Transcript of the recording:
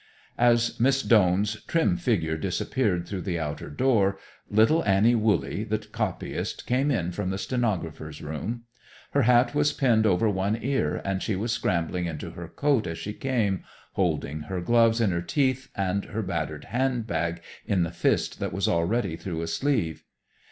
As Miss Doane's trim figure disappeared through the outer door, little Annie Wooley, the copyist, came in from the stenographers' room. Her hat was pinned over one ear, and she was scrambling into her coat as she came, holding her gloves in her teeth and her battered handbag in the fist that was already through a sleeve.